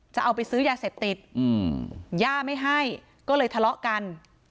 จะเอาไปซื้อยาเสพติดย่าไม่ให้ก็เลยทะเลาะกัน